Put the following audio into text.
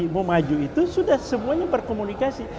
mau maju itu sudah semuanya berkomunikasi